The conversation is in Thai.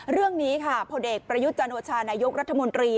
เรื่องนี้ค่ะผู้เด็กประยุจจันทรวชานายกรัฐมนตรี